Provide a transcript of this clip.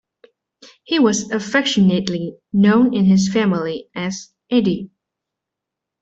He was affectionately known in his family as 'Edi'.